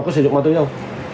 dạ không có sử dụng ma túy đâu